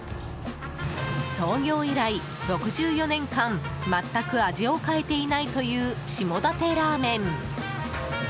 創業以来、６４年間全く味を変えていないという下館ラーメン。